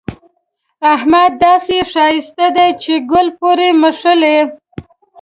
احمد داسې ښايسته دی چې ګل پورې مښلي.